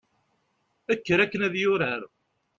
kker akken ad yurar